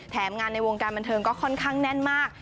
งานในวงการบันเทิงก็ค่อนข้างแน่นมาก